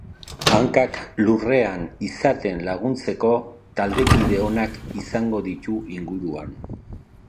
Hankak lurrean izaten laguntzeko taldekide onak izangto ditu inguruan.